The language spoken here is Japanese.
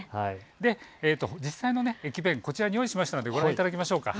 実際の駅弁、こちらに用意しましたのでご覧いただきましょう。